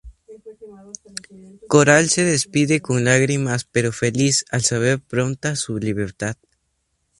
Coral se despide con lágrimas pero feliz, al saber pronta su libertad.